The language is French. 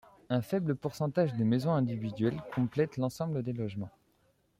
Un faible pourcentage de maisons individuelles complète l'ensemble des logements.